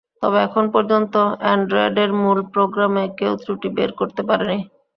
তবে এখন পর্যন্ত অ্যান্ড্রয়েডের মূল প্রোগ্রামে কেউ ত্রুটি বের করতে পারেনি।